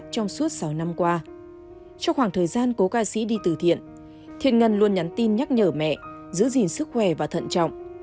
trong thời gian cố ca sĩ đi từ thiện thiên ngân luôn nhắn tin nhắc nhở mẹ giữ gìn sức khỏe và thận trọng